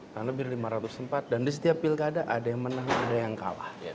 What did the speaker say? karena lebih dari lima ratus empat dan di setiap pilkada ada yang menang ada yang kalah